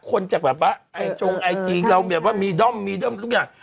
คนจะชงไอจีเรามีด้อมมีด้อมทุกอย่าง